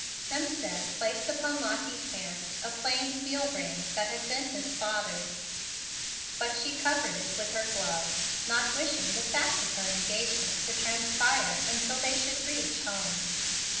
Hemstead placed upon Lottie's hand a plain seal ring that had been his father's, but she covered it with her glove, not wishing the fact of her engagement to transpire until they should reach home.